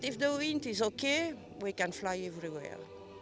tapi jika hujan baik baik saja kita bisa terbang di mana mana